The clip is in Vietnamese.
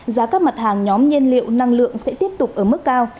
giá các mặt hàng nhóm nhiên liệu năng lượng sẽ tiếp tục ở mức cao